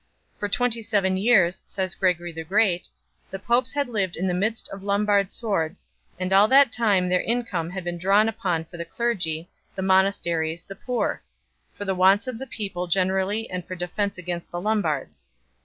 For twenty seven years, says Gregory the Great 3 , the popes had lived in the midst of Lombard swords, and all that time their income had been drawn upon for the clergy, the monas teries, the poor; for the wants of the people generally and for defence against the Lombards.